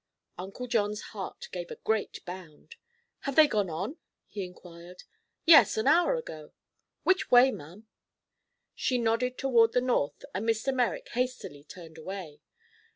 Uncle John's heart gave a great bound. "Have they gone on?" he inquired. "Yes; an hour ago." "Which way, ma'am?" She nodded toward the north and Mr. Merrick hastily turned away.